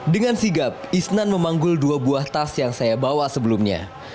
dengan sigap isnan memanggul dua buah tas yang saya bawa sebelumnya